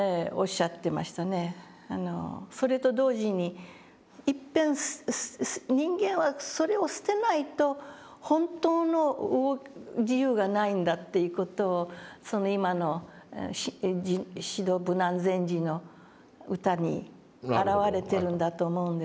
それと同時にいっぺん人間はそれを捨てないと本当の自由がないんだという事をその今の至道無難禅師の歌に表れてるんだと思うんですけどもね。